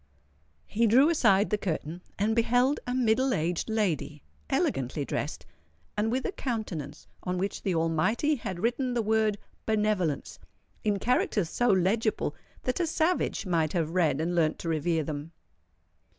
He drew aside the curtain, and beheld a middle aged lady, elegantly dressed, and with a countenance on which the Almighty had written the word "Benevolence" in characters so legible, that a savage might have read and learnt to revere them.